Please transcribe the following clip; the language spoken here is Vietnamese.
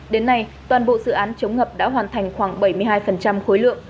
đến nay toàn bộ dự án chống ngập đã hoàn thành khoảng bảy mươi hai khối lượng